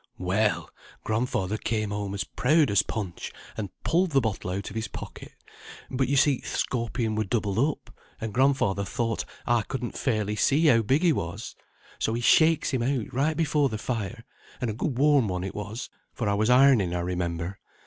"Well! grandfather came home as proud as Punch, and pulled the bottle out of his pocket. But you see th' scorpion were doubled up, and grandfather thought I couldn't fairly see how big he was. So he shakes him out right before the fire; and a good warm one it was, for I was ironing, I remember.